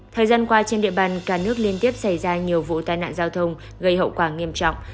thời gian qua trên địa bàn cả nước liên tiếp xảy ra nhiều vụ tai nạn giao thông gây hậu quả nghiêm trọng